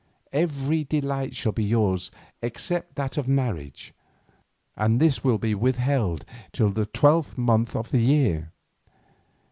Every delight shall be yours except that of marriage, and this will be withheld till the twelfth month of the year.